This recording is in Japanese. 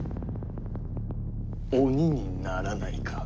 鬼にならないか？